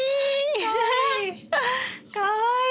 かわいい！